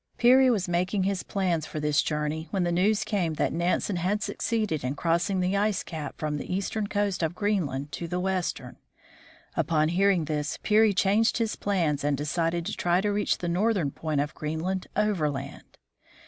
Peary was making his plans for this journey when the news came that Nansen had succeeded in crossing the ice cap from the eastern coast of Greenland to the western. Upon hearing this, Peary changed his plans and decided to try to reach the northern point of Greenland overland.